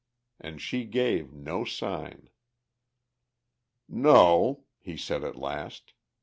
And she gave no sign. "No," he said at last.